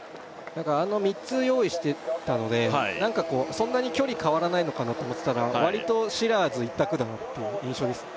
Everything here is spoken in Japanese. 三つ用意してたので何かこうそんなに距離変わらないのかなと思ってたらわりとシラーズ一択だなっていう印象ですね